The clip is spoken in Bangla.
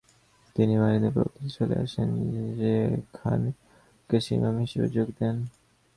তিনি মারিনিদ প্রদেশে চলে আসেন, সেখানে মারাকেশে ইমাম হিসেবে যোগ দেন।